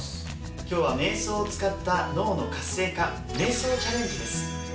今日はめい想を使った脳の活性化めい想チャレンジです。